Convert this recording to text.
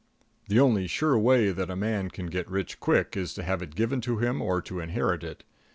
The only sure way that a man can get rich quick is to have it given to him or to inherit it.